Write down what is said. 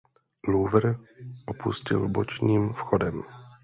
Louvre opustil bočním vchodem.